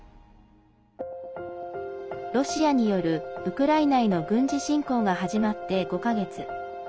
ロシアによるウクライナへの軍事侵攻が始まって５か月。